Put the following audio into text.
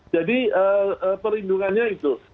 jadi perlindungannya itu